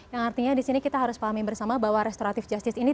yang artinya di sini kita harus pahami bersama bahwa restoratif justice ini